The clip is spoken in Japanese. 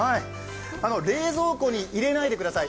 冷蔵庫に入れないでください。